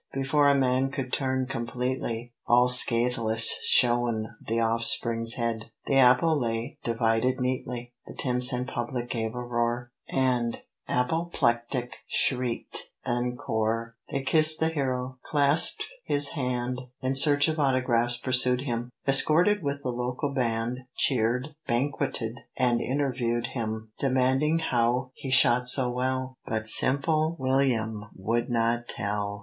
Before a man could turn completely, All scatheless shone the offspring's head, The apple lay divided neatly! The ten cent public gave a roar, And appleplectic shrieked "En core." They kissed the hero, clasped his hand, In search of autographs pursued him, Escorted with the local band, Cheered, banqueted and interviewed him, Demanding how he shot so well; But simple William would not Tell.